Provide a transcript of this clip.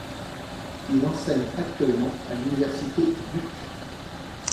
Il enseigne actuellement à l’université Duke.